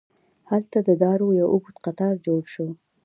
هلته د دارو یو اوږد قطار جوړ شو.